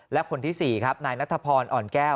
และคนที่๔ครับนายนัทพรอ่อนแก้ว